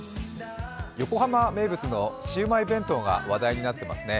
横浜名物のシウマイ弁当が話題になっていますね。